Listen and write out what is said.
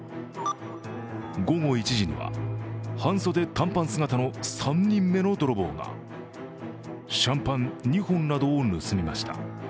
午後１時には半袖・短パン姿の３人目の泥棒がシャンパン２本などを盗みました。